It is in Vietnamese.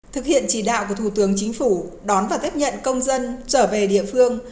thực hiện chỉ đạo của thủ tướng chính phủ đón và tiếp nhận công dân trở về địa phương